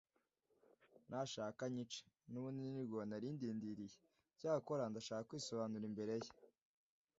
nashaka anyice, n'ubundi ni rwo nari ndindiriye, cyakora ndashaka kwisobanura imbere ye